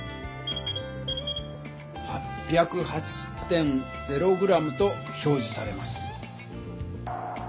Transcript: ８０８．０ｇと表じされます。